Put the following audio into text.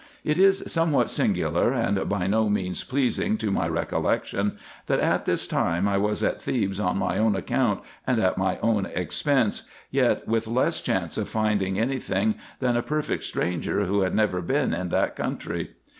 It is somewhat singular, and by no means pleasing to my recol lection, that at this time I was at Thebes on my own account, and at my own expense, yet with less chance of finding any thing, than a perfect stranger who had never been in that country.